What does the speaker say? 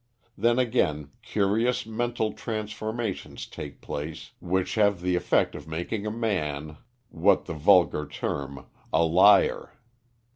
Then, again, curious mental transformations take place which have the effect of making a man, what the vulgar term, a liar.